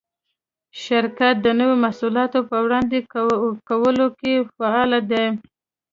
شرکت د نوو محصولاتو په وړاندې کولو کې فعال دی.